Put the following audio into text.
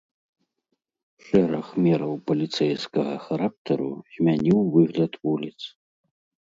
Шэраг мераў паліцэйскага характару змяніў выгляд вуліц.